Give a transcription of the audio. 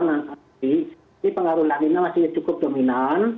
ini pengaruh lanina masih cukup dominan